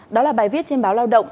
đó là bài viết trên báo lao động